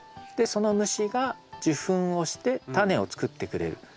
でその虫が受粉をしてタネをつくってくれる。